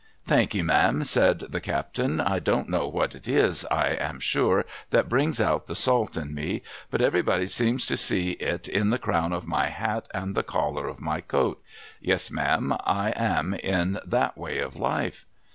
' Thank'ee, ma'am,' said the captain, ' I don't know what it is, I am sure, that brings out the salt in me, but everybody seems to see it on the crown of my hat and the collar of my coat. Yes, ma'am, I am in that way of life